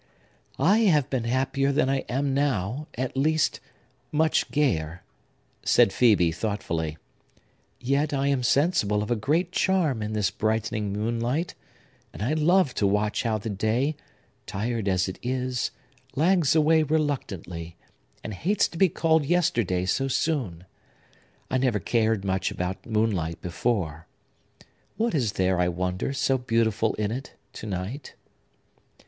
"I have been happier than I am now; at least, much gayer," said Phœbe thoughtfully. "Yet I am sensible of a great charm in this brightening moonlight; and I love to watch how the day, tired as it is, lags away reluctantly, and hates to be called yesterday so soon. I never cared much about moonlight before. What is there, I wonder, so beautiful in it, to night?"